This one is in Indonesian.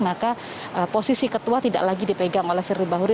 maka posisi ketua tidak lagi dipegang oleh firly bahuri